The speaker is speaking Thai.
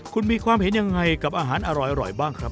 คุณมีความเห็นยังไงกับอาหารอร่อยบ้างครับ